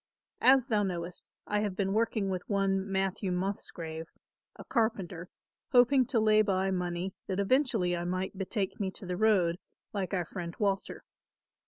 As thou knowest, I have been working with one, Matthew Musgrave, a carpenter, hoping to lay by money that eventually I might betake me to the road like our friend Walter.